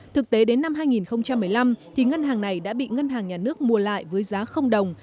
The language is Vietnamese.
thực tế đến năm hai nghìn một mươi năm ngân hàng này đã bị ngân hàng nhà nước mua lại với giá đồng